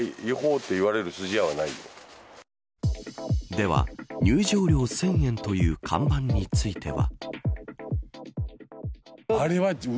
では、入場料１０００円という看板については。